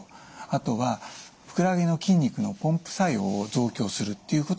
あとはふくらはぎの筋肉のポンプ作用を増強するっていうことがいわれています。